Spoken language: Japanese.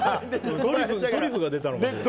トリュフが出たのかと。